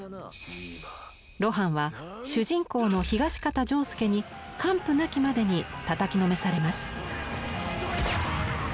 露伴は主人公の東方仗助に完膚なきまでにたたきのめされます。